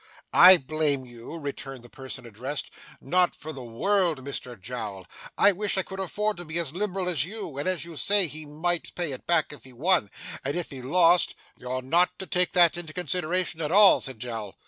'I blame you!' returned the person addressed; 'not for the world, Mr Jowl. I wish I could afford to be as liberal as you; and, as you say, he might pay it back if he won and if he lost ' 'You're not to take that into consideration at all,' said Jowl.